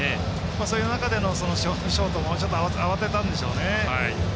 そういう中でショートもちょっと慌てたんでしょうね。